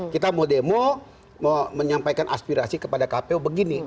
kita mau demo menyampaikan aspirasi kepada kpu begini